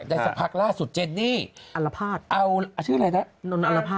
ได้สัพพักล่าสุดเจนนี่อาราภาษเอาชื่ออะไรนะ